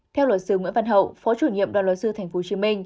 theo luật sư nguyễn văn hậu phó chủ nhiệm đoàn luật sư tp hcm